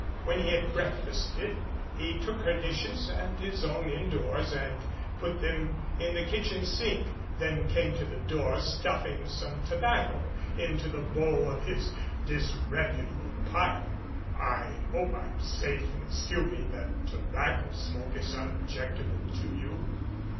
When he had breakfasted he took her dishes and his own indoors and put them in the kitchen sink, then came to the door stuffing some tobacco into the bowl of his disrepu table pipe. "I hope I'm safe in assuming that tobacco smoke is un objectionable to you."